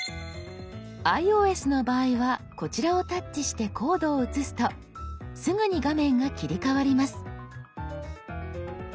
ｉＯＳの場合はこちらをタッチしてコードを写すとすぐに画面が切り替わります。